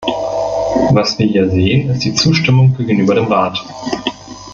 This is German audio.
Was wir hier sehen, ist die Zustimmung gegenüber dem Rat.